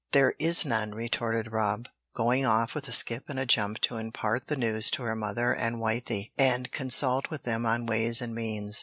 "There is none," retorted Rob, going off with a skip and a jump to impart the news to her mother and Wythie, and consult with them on ways and means.